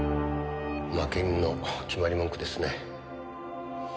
負け犬の決まり文句ですね。